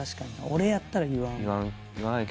俺やったら言わん。